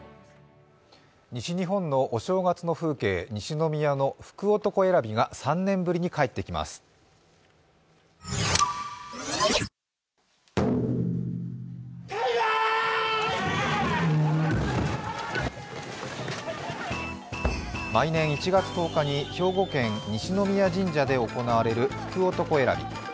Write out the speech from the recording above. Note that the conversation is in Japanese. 西日本のお正月の風景、西宮の福男選びが３年ぶりに帰ってきます毎年１月１０日に兵庫県・西宮神社で行われる福男選び。